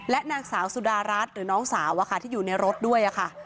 นางสาวสุดารัฐหรือน้องสาวที่อยู่ในรถด้วยค่ะ